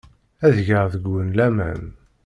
Ad geɣ deg-wen laman.